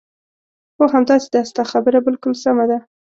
هو، همداسې ده، ستا خبره بالکل سمه ده.